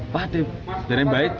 pak dari baik